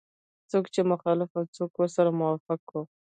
څوک یې مخالف او څوک ورسره موافق وو.